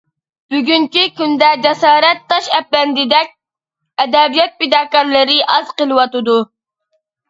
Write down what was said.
بۈگۈنكى كۈندە جاسارەت تاش ئەپەندىدەك ئەدەبىيات پىداكارلىرى ئاز قېلىۋاتىدۇ.